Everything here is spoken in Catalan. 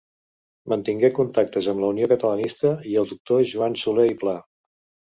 Mantingué contactes amb la Unió Catalanista i el doctor Joan Soler i Pla.